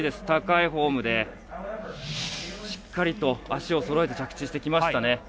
高いフォームでしっかりと足をそろえて着地してきました。